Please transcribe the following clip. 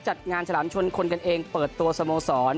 จัดงานฉลามชนคนกันเองเปิดตัวสโมสร